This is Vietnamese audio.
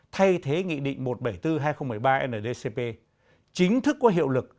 thay thế nghị định một trăm bảy mươi bốn hai nghìn một mươi ba ndcp chính thức có hiệu lực